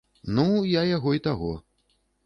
Ну, я яго і таго.